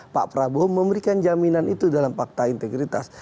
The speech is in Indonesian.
pak prabowo memberikan jaminan itu dalam fakta integritas